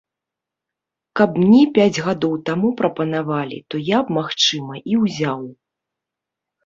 Каб мне пяць гадоў таму прапанавалі, то я б, магчыма, і ўзяў.